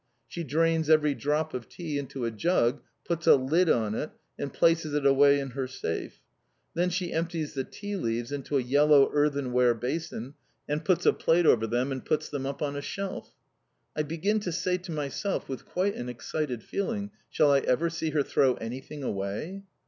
She drains every drop of tea into a jug, puts a lid on it, and places it away in her safe; then she empties the tea leaves into a yellow earthenware basin, and puts a plate over them, and puts them up on a shelf. I begin to say to myself, with quite an excited feeling, "Shall I ever see her throw anything away?"